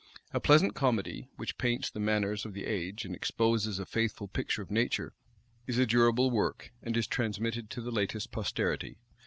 A pleasant comedy, which paints the manners of the age, and exposes a faithful picture of nature, is a durable work, and is transmitted to the latest posterity.